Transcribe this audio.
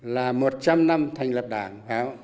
là một trăm linh năm thành lập đảng